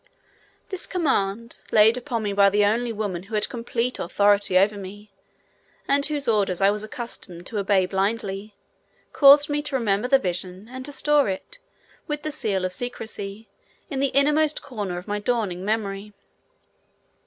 This command, laid upon me by the only woman who had complete authority over me, and whose orders I was accustomed to obey blindly, caused me to remember the vision, and to store it, with the seal of secrecy, in the inmost corner of my dawning memory.